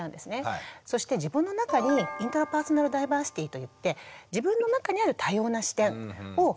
そして自分の中にイントラパーソナルダイバーシティといって自分の中にある多様な視点を身につける。